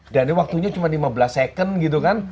dan waktunya cuma lima belas second gitu kan